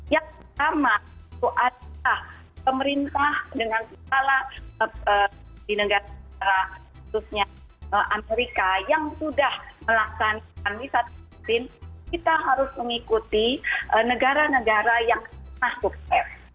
yang pertama itu adalah pemerintah dengan kepala di negara negara khususnya amerika yang sudah melaksanakan wisata vaksin kita harus mengikuti negara negara yang masuk